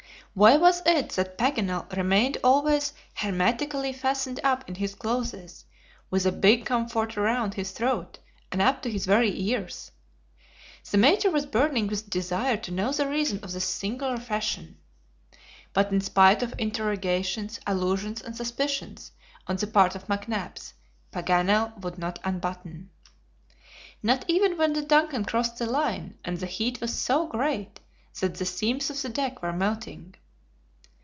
Why was it that Paganel remained always hermetically fastened up in his clothes, with a big comforter round his throat and up to his very ears? The Major was burning with desire to know the reason of this singular fashion. But in spite of interrogations, allusions, and suspicions on the part of McNabbs, Paganel would not unbutton. Not even when the DUNCAN crossed the line, and the heat was so great that the seams of the deck were melting.